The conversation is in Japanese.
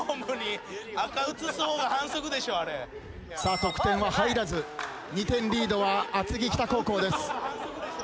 さあ得点は入らず２点リードは厚木北高校です。